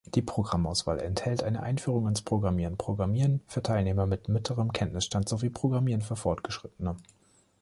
Die Programmauswahl enthält eine Einführung ins Programmieren, Programmieren für Teilnehmer mit mittlerem Kenntnisstand sowie Programmieren für Fortgeschrittene.